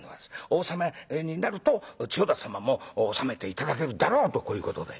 お納めになると千代田様も納めて頂けるだろうとこういうことで。